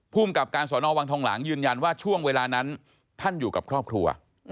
ภูมิกับการสอนอวังทองหลางยืนยันว่าช่วงเวลานั้นท่านอยู่กับครอบครัว